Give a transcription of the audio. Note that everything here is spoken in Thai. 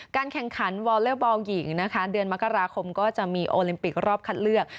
แข่งขันวอลเลอร์บอลหญิงนะคะเดือนมกราคมก็จะมีโอลิมปิกรอบคัดเลือก